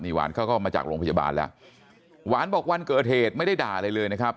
หวานเขาก็มาจากโรงพยาบาลแล้วหวานบอกวันเกิดเหตุไม่ได้ด่าอะไรเลยนะครับ